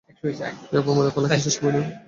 এই অপমানের পালা কি শেষ হবে না কখনো?